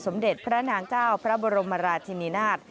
เด็จพระนางเจ้าพระบรมราชินีนาฏ